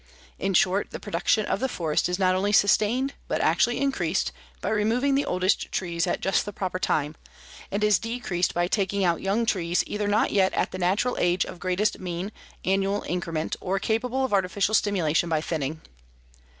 In short, the production of the forest is not only sustained, but actually increased, by removing the oldest trees at just the proper time; and is decreased by taking out young trees either not yet at the natural age of greatest mean annual increment or capable of artificial stimulation by thinning.